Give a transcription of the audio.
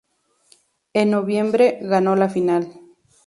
En noviembre, ganó la final.